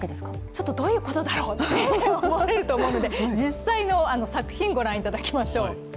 ちょっとどういうことだろうと思われると思うので実際の作品、ご覧いただきましょう。